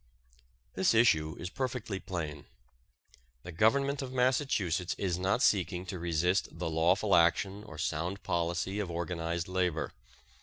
This issue is perfectly plain. The Government of Massachusetts is not seeking to resist the lawful action or sound policy of organized labor.